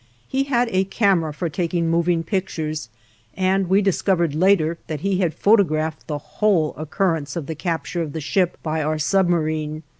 He had a camera for taking moving pictures, and we discovered later that he had photographed the whole occurrence of the capture of the ship by our submarine.